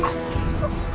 apakah kamu tahu